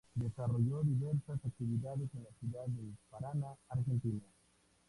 Desarrolló diversas actividades en la ciudad de Paraná, Argentina.